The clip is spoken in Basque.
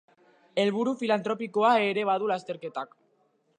Helburu filantropikoa ere badu lasterketak.